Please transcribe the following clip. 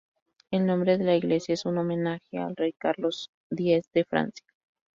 El nombre de la iglesia es un homenaje al rey Carlos X de Francia.